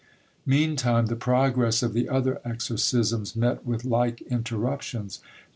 Meantime the progress of the other exorcisms met with like interruptions.